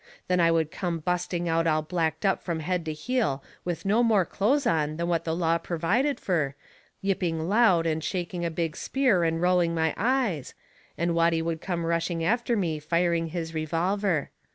Then I would come busting out all blacked up from head to heel with no more clothes on than the law pervided fur, yipping loud and shaking a big spear and rolling my eyes, and Watty would come rushing after me firing his revolver.